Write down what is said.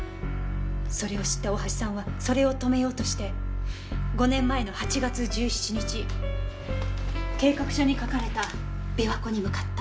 それを知った大橋さんはそれを止めようとして５年前の８月１７日計画書に書かれた琵琶湖に向かった。